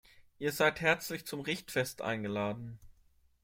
Ihr seid herzlich zum Richtfest eingeladen.